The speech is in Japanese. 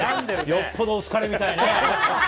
よっぽどお疲れみたいね。